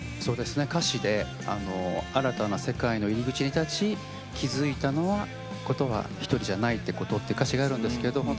歌詞で「新たな世界の入口に立ち気づいたことは１人じゃないってこと」というのがあるんです。